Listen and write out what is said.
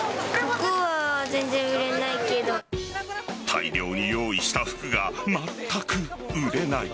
大量に用意した服がまったく売れない。